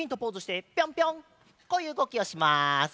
こういううごきをします。